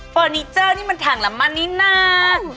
เฟอร์นิเจอร์นี่มันถังละมันนิดนัก